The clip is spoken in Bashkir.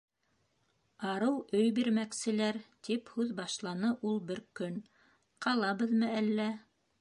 Арыу өй бирмәкселәр, - тип һүҙ башланы ул бер көн, - ҡалабыҙмы әллә?